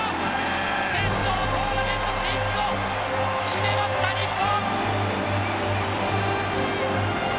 決勝トーナメント進出を決めました、日本！